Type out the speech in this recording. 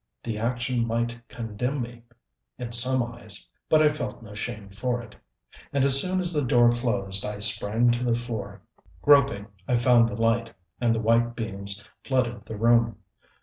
The action might condemn me in some eyes, but I felt no shame for it. And as soon as the door closed I sprang to the floor. Groping, I found the light, and the white beams flooded the room.